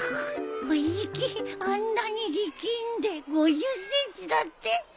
藤木あんなに力んで５０ｃｍだって。